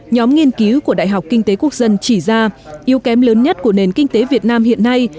nhóm nghiên cứu của đại học kinh tế quốc dân chỉ ra yếu kém lớn nhất của nền kinh tế việt nam hiện nay